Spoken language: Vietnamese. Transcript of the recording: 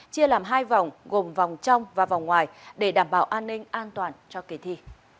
chia làm hai vòng gồm vòng trong và vòng ngoài để đảm bảo an ninh an toàn cho kỳ thi